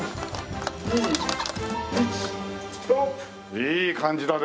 いい感じだね。